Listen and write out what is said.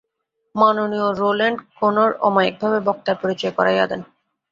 মাননীয় রোল্যাণ্ড কোনর অমায়িকভাবে বক্তার পরিচয় করাইয়া দেন।